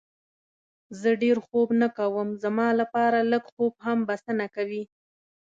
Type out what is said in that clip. زه ډېر خوب نه کوم، زما لپاره لږ خوب هم بسنه کوي.